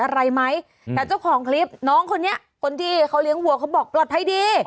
อะไรไหมแต่เจ้าของคลิปน้องคนนี้คนที่เขาเลี้ยงวัวเขาบอกปลอดภัยดี